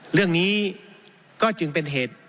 เรื่องนี้ก็จึงเป็นเหตุ